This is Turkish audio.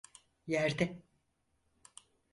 Yerde…